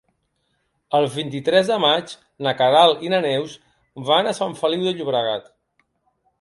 El vint-i-tres de maig na Queralt i na Neus van a Sant Feliu de Llobregat.